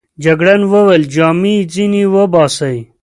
جګړن وویل: جامې يې ځینې وباسئ.